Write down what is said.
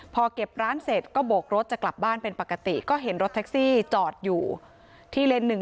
พอเก็บร้านเสร็จก็โบกรถจะกลับบ้านเป็นปกติก็เห็นรถแท็กซี่จอดอยู่ที่เลนส์หนึ่ง